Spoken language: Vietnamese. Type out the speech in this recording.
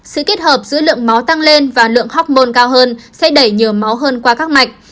sự kết hợp giữa lượng máu tăng lên và lượng học môn cao hơn sẽ đẩy nhiều máu hơn qua các mạch